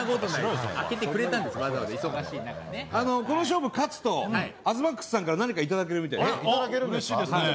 この勝負勝つと東ＭＡＸさんから何かいただけるみたいです。